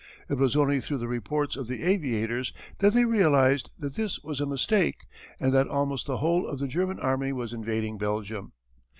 It was only through the reports of the aviators that they realized that this was a mistake and that almost the whole of the German army was invading Belgium.